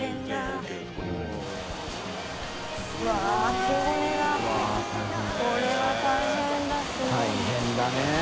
大変だね。